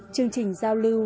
chương trình giao lưu